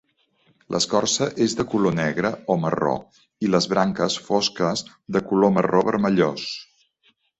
L'escorça és de color negre o marró i les branques fosques de color marró vermellós.